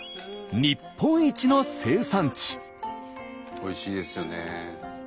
おいしいですよね。